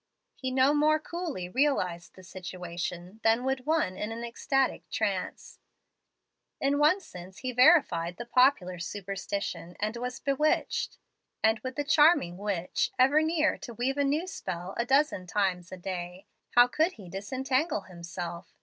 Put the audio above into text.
He no more coolly realized the situation than would one in an ecstatic trance. In one sense he verified the popular superstition, and was bewitched; and, with the charming witch ever near to weave a new spell a dozen times a day, how could he disentangle himself?